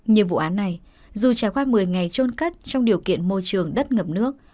như vụ án này dù trải qua một mươi ngày trôn cất trong điều kiện môi trường đất ngập nước